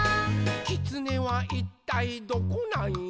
「きつねはいったいどこなんよ？」